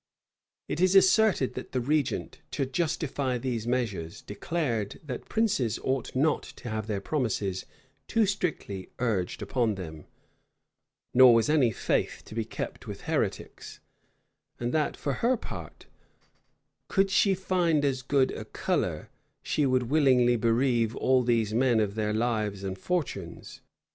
It is asserted that the regent, to justify these measures, declared, that princes ought not to have their promises too strictly urged upon them; nor was any faith to be kept with heretics: and that for her part, could she find as good a color, she would willingly bereave all these men of their lives and fortunes.